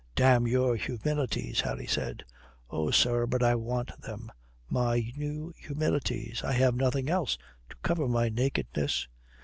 "Damn your humilities," Harry said. "Oh, sir, but I want them, my new humilities. I have nothing else to cover my nakedness."